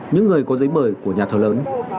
những người có giấy bời của nhà thờ lớn